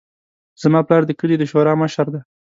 زما پلار د کلي د شورا مشر ده